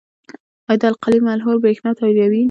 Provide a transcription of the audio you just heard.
آیا د القلي محلول برېښنا تیروي؟